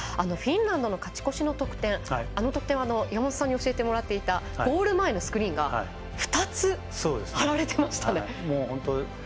フィンランドの勝ち越しの得点あの得点は岩本さんに教えてもらっていたゴール前のスクリーンが２つ張られていましたね。